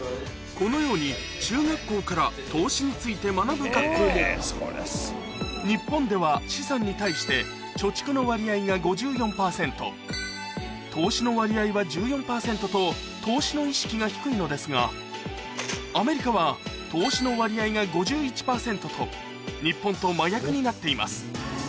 このように学校も日本では資産に対して貯蓄の割合が５４％投資の割合は１４％と投資の意識が低いのですがアメリカは投資の割合が５１％と日本と真逆になっています